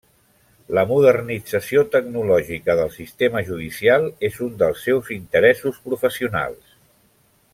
La modernització tecnològica del sistema judicial és un dels seus interessos professionals.